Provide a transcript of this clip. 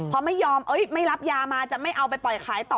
พอไม่ยอมไม่รับยามาจะไม่เอาไปปล่อยขายต่อ